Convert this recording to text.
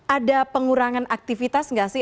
ada pengurangan aktivitas nggak sih